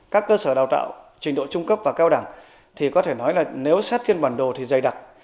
các cơ sở đào tạo trình độ trung cấp và cao đẳng thì có thể nói là nếu xét trên bản đồ thì dày đặc